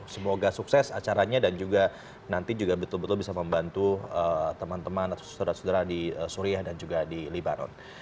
semoga sukses acaranya dan juga nanti juga betul betul bisa membantu teman teman atau saudara saudara di suriah dan juga di libanon